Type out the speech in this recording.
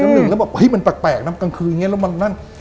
เจ้านึงแล้วบอกเฮ้ยมันแปลกแปลกน่ะกลางคืนอย่างเงี้ยแล้วมันนั่น